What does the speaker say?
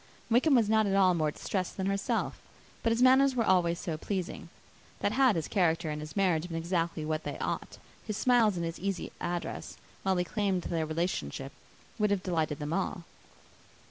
Wickham was not at all more distressed than herself; but his manners were always so pleasing, that, had his character and his marriage been exactly what they ought, his smiles and his easy address, while he claimed their relationship, would have delighted them all.